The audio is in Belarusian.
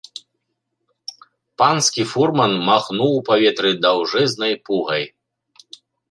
Панскі фурман махнуў у паветры даўжэзнай пугай.